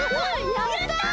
やった！